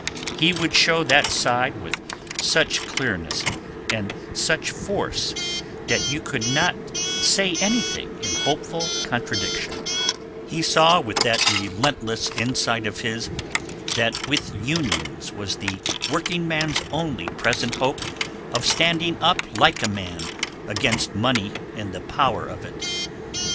He would show that side with such clearness and such force that you could not say anything in hopeful contradiction; he saw with that relentless insight of his that with Unions was the working man's only present hope of standing up like a man against money and the power of it.